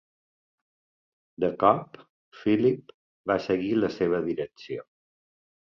De cop, Philip va seguir la seva direcció.